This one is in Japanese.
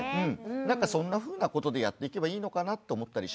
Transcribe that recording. なんかそんなふうなことでやっていけばいいのかなって思ったりしました。